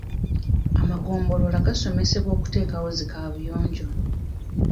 Amagombolola gaasomesebwa okuteekawo zi kaabuyonjo.